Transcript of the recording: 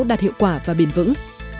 đạt hiệu quả và bền vững